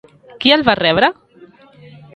Qui el va rebre?